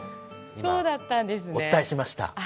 今お伝えしました。